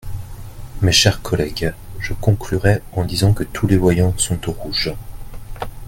Mes chers collègues, je conclurai en disant que tous les voyants sont au rouge.